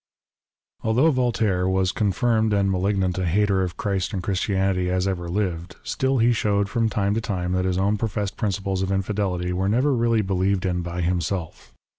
Although Voltaire was as confirmed and malignant a hater of Christ and of Christianity as ever lived, still he showed from time to time that his own professed principles of Infidelity were never really believed in by himself.